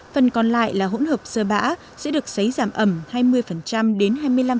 phần còn lại là hỗn hợp sơ bã sẽ được xấy giảm ẩm hai mươi đến hai mươi năm